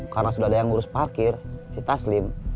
karena sudah ada yang ngurus parkir si taslim